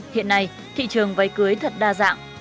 hiện nay thị trường váy cưới thật đa dạng